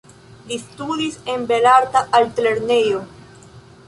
Li studis en Belarta Altlernejo.